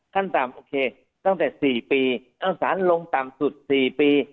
ขั้นต่ำโอเคตั้งแต่๔ปีเอาสารลงต่ำสุด๔ปี